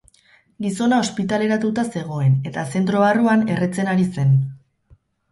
Gizona ospitaleratuta zegoen, eta zentro barruan erretzen ari zen.